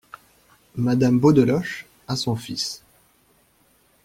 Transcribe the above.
Madame Beaudeloche , à son fils.